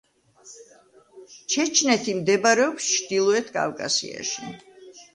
ჩეჩნეთი მდებარეობს ჩრდილოეთ კავკასიაში.